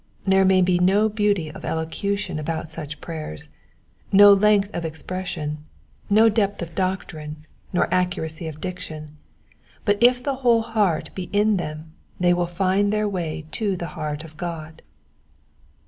There may be no beauty of elocution about such prayers, no length of expression, no depth of doctrine, nor accuracy of diction ; but if the whole heart be in them they will find their way to the heart of God.